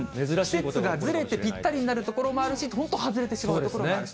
季節がずれてぴったりになる所もあるし、とんと外れてしまう所もあるし。